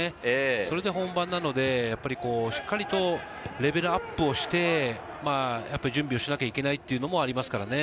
それで本番なので、しっかりとレベルアップをして、準備をしなきゃいけないというのもありますからね。